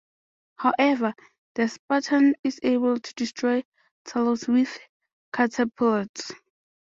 However, The Spartan is able to destroy Talos with catapults.